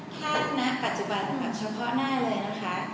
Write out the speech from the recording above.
ถ้าณปัจจุบันแบบเฉพาะหน้าเลยนะคะ